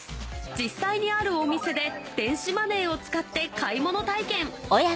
実際にあるお店で電子マネーを使って買い物体験。